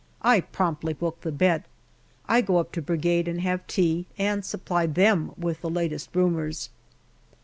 I promptly book the bet. I go up to Brigade and have tea, and supply them with the latest rumours.